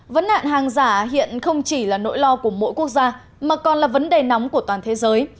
vấn nạn hàng giả hiện không chỉ là nỗi lo của mỗi quốc gia mà còn là vấn đề nóng của toàn thế giới